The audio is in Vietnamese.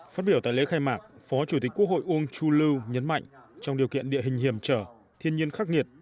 phát biểu tại lễ khai mạc phó chủ tịch quốc hội uông chu lưu nhấn mạnh trong điều kiện địa hình hiểm trở thiên nhiên khắc nghiệt